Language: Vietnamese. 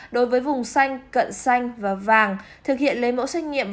đối với vùng xanh cận xanh và vàng thực hiện lấy mẫu xét nghiệm